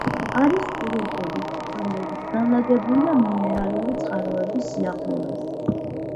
არის კურორტები, რომლებიც განლაგებულია მინერალური წყაროების სიახლოვეს.